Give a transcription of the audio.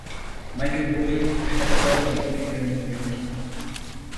Michael Burleigh está casado con Linden Burleigh.